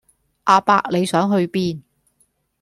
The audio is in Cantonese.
阿伯你想去邊